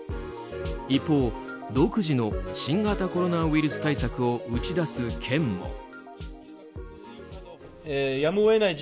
一方、独自の新型コロナウイルスを打ち出す県も。